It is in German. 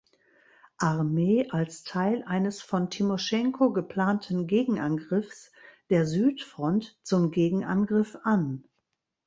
Armee als Teil eines von Timoschenko geplanten Gegenangriffs der Südfront zum Gegenangriff an.